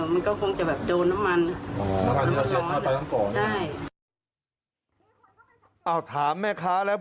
มันก็คงจะแบบโดนน้ำมันใช่